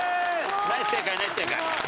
ナイス正解ナイス正解。